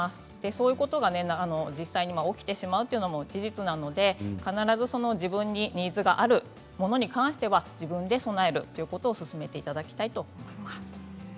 そういうことが実際に起きてしまうというのも事実なので必ず自分にニーズがあるものに関しては自分が備えるということを進めていただきたいと思います。